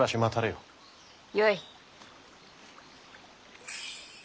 よい。